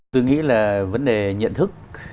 tôi nghĩ là vấn đề nhận thức